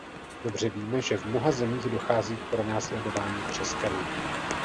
Dobře víme, že v mnoha zemích dochází k pronásledování křesťanů.